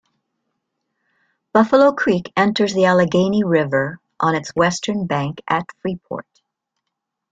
Buffalo Creek enters the Allegheny River on its western bank at Freeport.